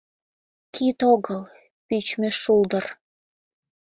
Кид огыл – пÿчмö шулдыр!